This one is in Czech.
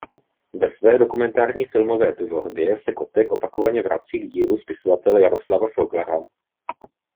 Ve své dokumentární filmové tvorbě se Kotek opakovaně vrací k dílu spisovatele Jaroslava Foglara.